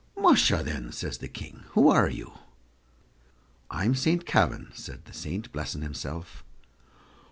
"Musha! then," says the King, "who are you?" "I'm Saint Kavin," said the saint, blessing himself.